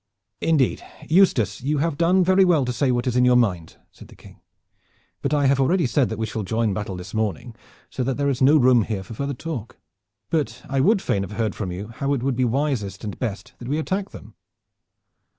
"Indeed, Eustace, you have done well to say what is in your mind," said the King; "but I have already said that we shall join battle this morning, so that there is no room here for further talk. But I would fain have heard from you how it would be wisest and best that we attack them?"